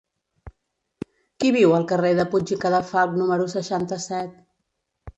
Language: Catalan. Qui viu al carrer de Puig i Cadafalch número seixanta-set?